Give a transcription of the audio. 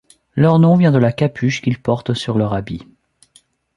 Leur nom vient de la capuche qu’ils portent sur leur habit.